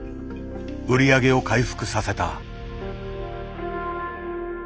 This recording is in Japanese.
売り上げを回復させた。